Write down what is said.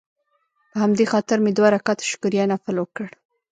په همدې خاطر مې دوه رکعته شکريه نفل وکړ.